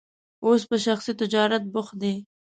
اوس په شخصي تجارت بوخت دی.